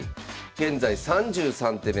現在３３手目。